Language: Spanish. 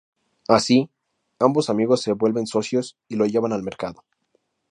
Así, ambos amigos se vuelven socios y lo llevan al mercado.